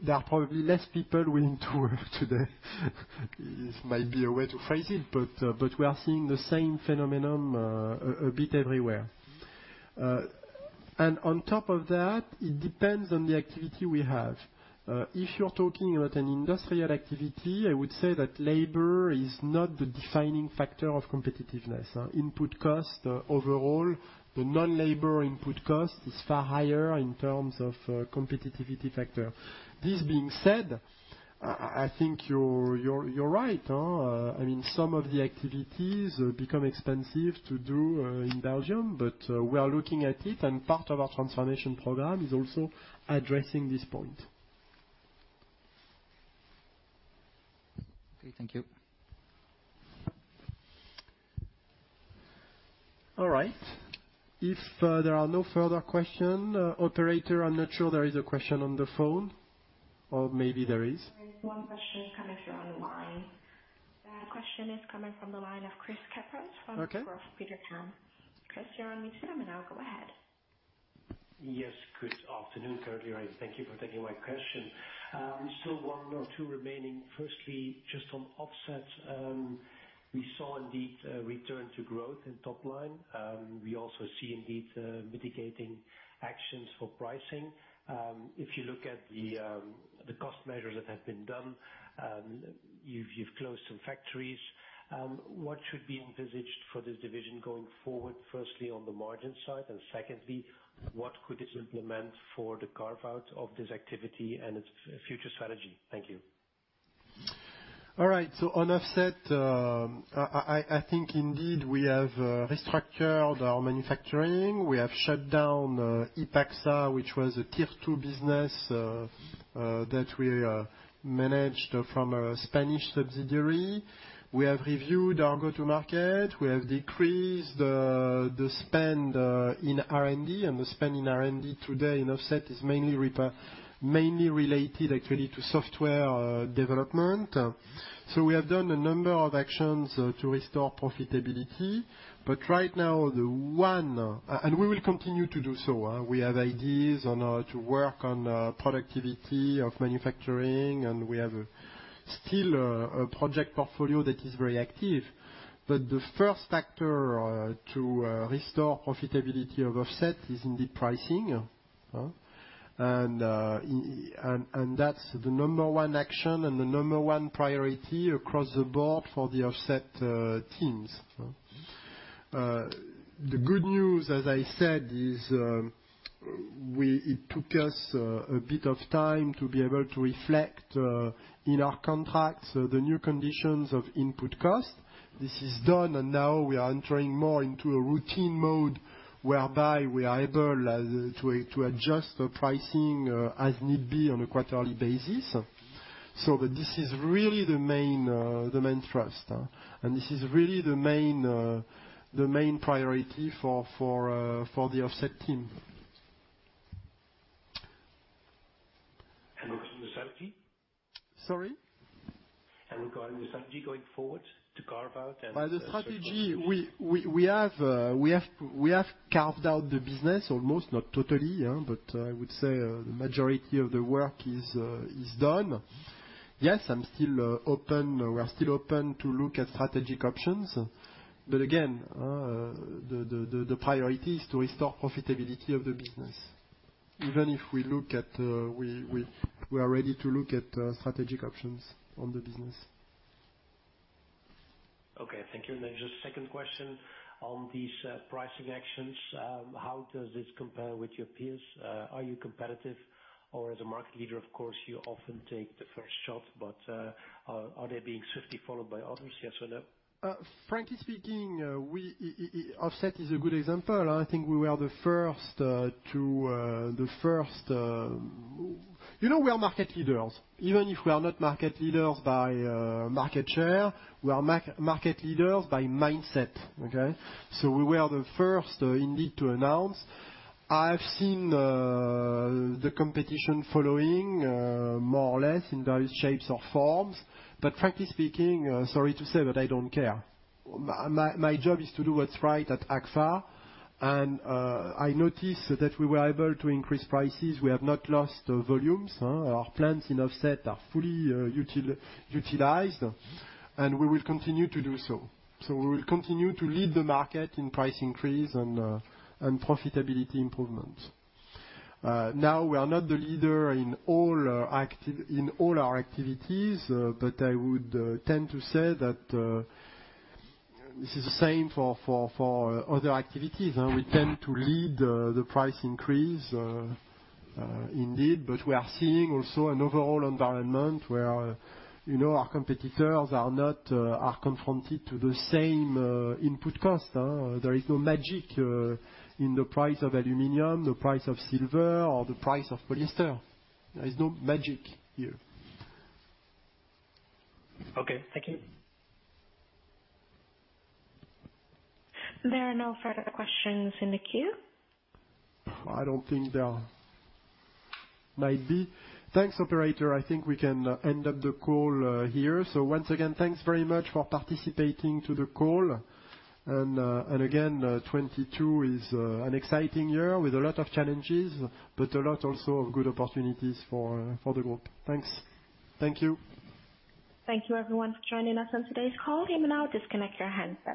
S2: There are probably less people willing to work today, it might be a way to phrase it, but we are seeing the same phenomenon a bit everywhere. On top of that, it depends on the activity we have. If you're talking about an industrial activity, I would say that labor is not the defining factor of competitiveness. Input cost, overall, the non-labor input cost is far higher in terms of competitiveness factor. This being said, I think you're right, I mean, some of the activities become expensive to do in Belgium, but we are looking at it, and part of our transformation program is also addressing this point.
S7: Okay, thank you.
S2: All right. If there are no further question, Operator, I'm not sure there is a question on the phone, or maybe there is.
S1: There is one question coming through on the line. The question is coming from the line of Kris Kippers-
S2: Okay.
S1: -from Degroof Petercam. Kris, you're unmuted, and now go ahead.
S8: Yes. Good afternoon, everybody. Thank you for taking my question. Still one or two remaining. Firstly, just on Offset, we saw indeed a return to growth in top line. We also see indeed, mitigating actions for pricing. If you look at the cost measures that have been done, you've closed some factories. What should be envisaged for this division going forward, firstly, on the margin side, and secondly, what could this imply for the carve-out of this activity and its future strategy? Thank you.
S2: All right. On Offset, I think indeed we have restructured our manufacturing. We have shut down Ipagsa, which was a tier two business that we managed from a Spanish subsidiary. We have reviewed our go-to-market. We have decreased the spend in R&D, and the spend in R&D today in Offset is mainly related actually to software development. We have done a number of actions to restore profitability. Right now we will continue to do so. We have ideas on to work on productivity of manufacturing, and we have still a project portfolio that is very active. The first factor to restore profitability of Offset is indeed pricing, and that's the number one action and the number one priority across the board for the Offset teams. The good news, as I said, is it took us a bit of time to be able to reflect in our contracts the new conditions of input costs. This is done, and now we are entering more into a routine mode whereby we are able to adjust the pricing as need be on a quarterly basis. This is really the main thrust. This is really the main priority for the Offset team.
S8: Regarding the strategy?
S2: Sorry?
S8: Regarding the strategy going forward to carve out and-
S2: The strategy, we have carved out the business almost, not totally, yeah, but I would say the majority of the work is done. Yes, I'm still open, we are still open to look at strategic options. Again, the priority is to restore profitability of the business. Even if we are ready to look at strategic options on the business.
S8: Okay. Thank you. Just second question on these pricing actions. How does this compare with your peers? Are you competitive? Or as a market leader, of course, you often take the first shot, but are they being swiftly followed by others? Yes or no?
S2: Frankly speaking, Offset is a good example. I think we were the first. You know, we are market leaders. Even if we are not market leaders by market share, we are market leaders by mindset. Okay? We were the first indeed to announce. I've seen the competition following more or less in various shapes or forms. Frankly speaking, sorry to say, but I don't care. My job is to do what's right at Agfa, and I noticed that we were able to increase prices. We have not lost volumes. Our plants in Offset are fully utilized, and we will continue to do so. We will continue to lead the market in price increase and profitability improvement. Now, we are not the leader in all our activities, but I would tend to say that this is the same for other activities. We tend to lead the price increase, indeed, but we are seeing also an overall environment where, you know, our competitors are not confronted to the same input cost. There is no magic in the price of aluminum, the price of silver or the price of polyester. There is no magic here.
S8: Okay. Thank you.
S1: There are no further questions in the queue.
S2: I don't think there are... Might be. Thanks, Operator. I think we can wrap up the call here. Once again, thanks very much for participating to the call. Again, 2022 is an exciting year with a lot of challenges, but a lot also of good opportunities for the group. Thanks. Thank you.
S1: Thank you, everyone, for joining us on today's call. You may now disconnect your handsets.